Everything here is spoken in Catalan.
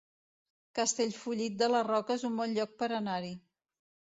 Castellfollit de la Roca es un bon lloc per anar-hi